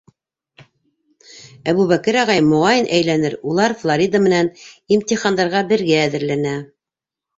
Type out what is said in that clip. Әбүбәкер ағайым, моғайын, әйләнер: улар Флорида менән имтихандарға бергә әҙерләнә.